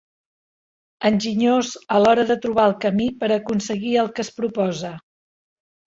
Enginyós a l'hora de trobar el camí per aconseguir el que es proposa.